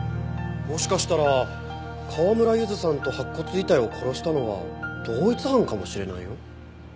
もしかしたら川村ゆずさんと白骨遺体を殺したのは同一犯かもしれないよ。